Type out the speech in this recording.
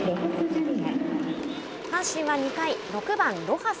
阪神は２回、６番ロハス。